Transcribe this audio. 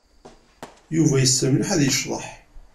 Yuba yessen mliḥ ad yecḍeḥ.